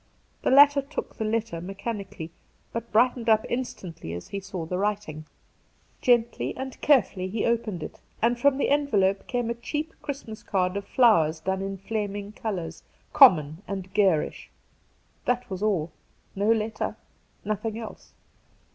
The latter took the letter mechanically, but brightened up instantly as he saw the writing. 192 Two Christmas Days Grently and carefully he opened it, and from the envelope came a cheap Christmas card of flowers done in flaming colours — common and garish. That was all! No letter, nothing else.